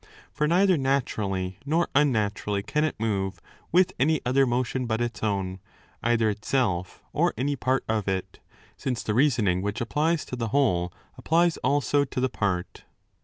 For neither naturally nor un naturally can it move with any other motion but its own, either itself or any part of it, since the reasoning which applies to the whole applies also to the part.